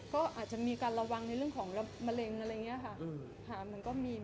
ก็อาจจะมีการระวังในเรื่องของมะเร็งอะไรอย่างนี้ค่ะ